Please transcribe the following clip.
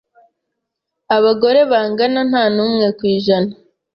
abagore bangana na numwe kwijana